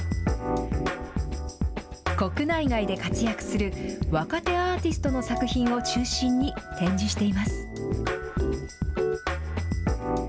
国内外で活躍する若手アーティストの作品を中心に展示しています。